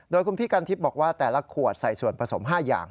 โดยคุณพี่กันทิพย์บอกว่าแต่ละขวดใส่ส่วนผสม๕อย่าง